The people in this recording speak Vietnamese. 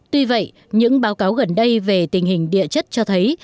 tuy vậy những báo cáo gần đây về tình hình địa chất cho thấy